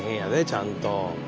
ちゃんと。